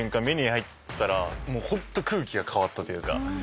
目に入ったらもうホント空気が変わったというか。